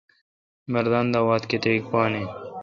مردان دا واتھ کیتیک پان این۔